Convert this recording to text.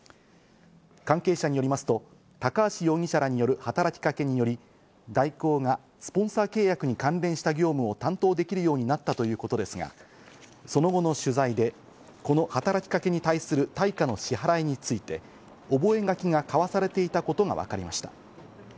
関係者によりますと、高橋容疑者らによる働きかけにより、大広がスポンサー契約に関連した業務を担当できるようになったということですが、その後の取材でこの働きかけに対する対価の支払いについて、覚書が交わされていたことがわかりました。